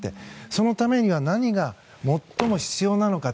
そのためには何が最も必要なのか。